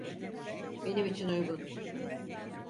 Benim için uygun.